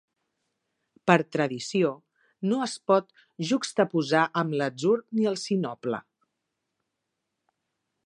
Per tradició, no es pot juxtaposar amb l'atzur ni el sinople.